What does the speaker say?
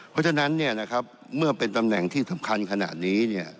เพราะฉะนั้นเนี่ยนะครับเมื่อเป็นตำแหน่งที่สำคัญขนาดนี้เนี่ย